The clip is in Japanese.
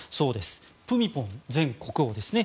プミポン前国王ですね。